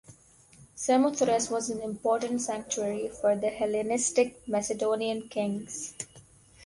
Samothrace was an important sanctuary for the Hellenistic Macedonian kings.